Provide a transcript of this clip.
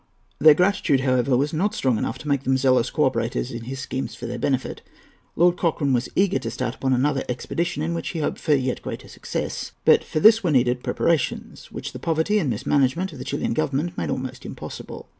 Their gratitude, however, was not strong enough to make them zealous co operators in his schemes for their benefit. Lord Cochrane was eager to start upon another expedition, in which he hoped for yet greater success. But for this were needed preparations which the poverty and mismanagement of the Chilian Government made almost impossible.